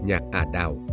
nhạc ả đào